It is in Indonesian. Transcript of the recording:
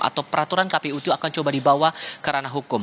atau peraturan kpu itu akan coba dibawa ke ranah hukum